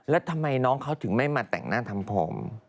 แล้วทำไมน้องเขาถึงไม่มาแต่งหน้าทำผม